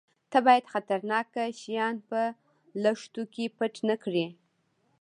_ته بايد خطرناکه شيان په لښتو کې پټ نه کړې.